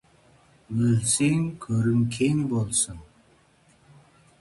Өлсең, көрің кең болсын.